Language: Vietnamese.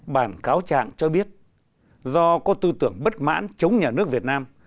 bản cáo trạng cho biết do có tư tưởng bất mãn chống nhà nước việt nam